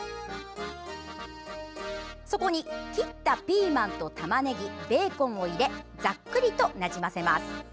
そこに切ったピーマンとたまねぎベーコンを入れざっくりとなじませます。